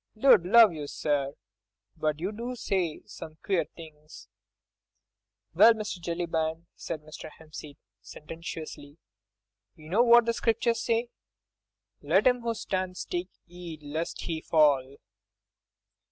—Lud love you, sir, but you do say some queer things." "Well, Mr. Jellyband," said Mr. Hempseed, sententiously, "you know what the Scriptures say: 'Let 'im 'oo stands take 'eed lest 'e fall.